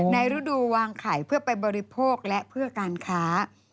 ฤดูวางไข่เพื่อไปบริโภคและเพื่อการค้า